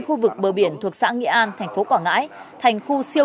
khu vực bờ biển thuộc xã nghĩa an thành phố quảng ngãi thành khu siêu